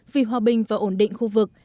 vì hòa bình và ổn định khu vực